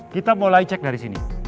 kita mulai cek dari sini